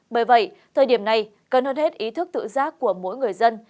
bởi vậy thời điểm này cần hơn hết ý thức tự giác của mỗi người dân